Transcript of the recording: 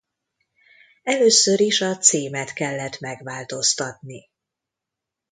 Először is a címet kellett megváltoztatni.